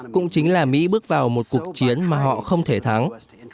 cũng chính là mỹ bước vào một cuộc chiến mà họ không thể thắng